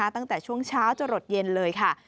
ตั้งแต่ช่วงเช้าจะหลดเย็นเลยค่ะ